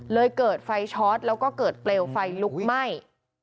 เกิดไฟช็อตแล้วก็เกิดเปลวไฟลุกไหม้